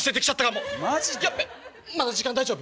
まだ時間大丈夫？